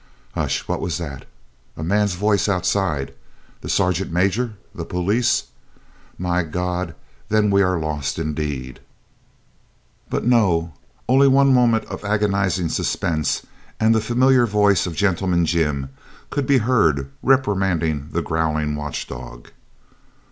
"Hush! What was that? A man's voice outside! The sergeant major? The police? My God! then we are lost indeed!" But no! Only one moment of agonising suspense and the familiar voice of "Gentleman Jim" could be heard, reprimanding the growling watchdog.